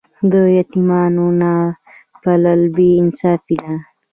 د یتیمانو نه پالل بې انصافي ده.